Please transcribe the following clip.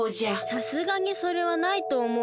さすがにそれはないとおもうけど。